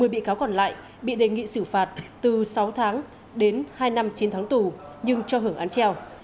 một mươi bị cáo còn lại bị đề nghị xử phạt từ sáu tháng đến hai năm chín tháng tù nhưng cho hưởng án treo